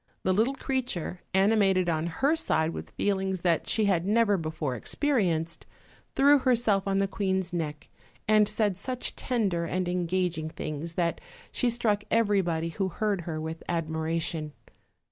The little creature, ani mated on her side with feelings that she had never before experienced, threw herself on the queen's neck and said such tender and engaging things that she struck every body who heard her with admiration.